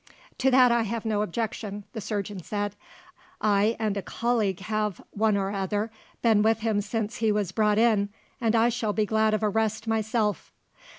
"To that I have no objection," the surgeon said. "I and a colleague have, one or other, been with him since he was brought in; and I shall be glad of a rest, myself."